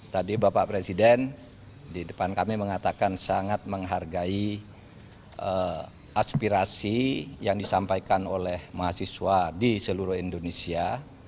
tadi bapak presiden di depan kami mengatakan sangat menghargai aspirasi yang disampaikan oleh mahasiswa di seluruh indonesia